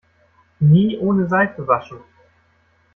Nie ohne Seife waschen!